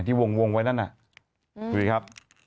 ที่วงไว้นั่นน่ะดูสิครับ